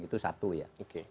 itu satu ya